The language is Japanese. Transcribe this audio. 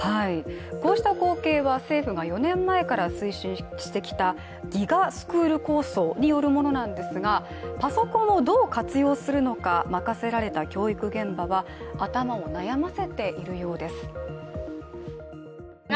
こうした光景は政府が４年前から推進してきたＧＩＧＡスクール構想によるものなんですがパソコンをどう活用するのか任せられた教育現場は頭を悩ませているようです。